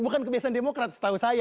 bukan kebiasaan demokrat setahu saya